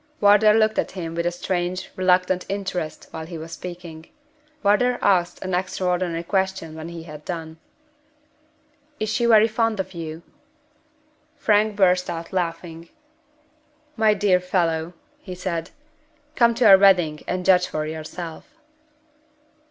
Wardour looked at him with a strange, reluctant interest while he was speaking. Wardour asked an extraordinary question when he had done. "Is she very fond of you?" Frank burst out laughing. "My dear fellow," he said, "come to our wedding, and judge for yourself."